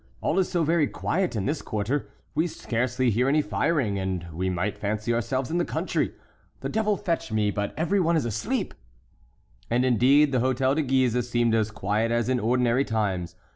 all is so very quiet in this quarter, we scarcely hear any firing, and we might fancy ourselves in the country. The devil fetch me but every one is asleep!" And indeed the Hôtel de Guise seemed as quiet as in ordinary times.